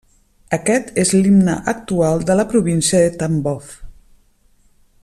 Aquest és l'himne actual de la província de Tambov.